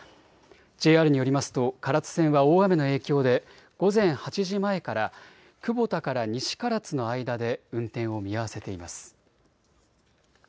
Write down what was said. ＪＲによりますと唐津線は大雨の影響で午前８時前から久保田から西唐津の間で運転を見合わせています。